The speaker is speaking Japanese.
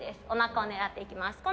おなかを狙っていきます。